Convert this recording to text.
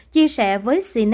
chia sẻ với cnet rằng